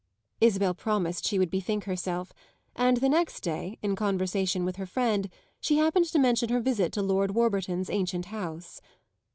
Isabel promised she would bethink herself, and the next day, in conversation with her friend, she happened to mention her visit to Lord Warburton's ancient house.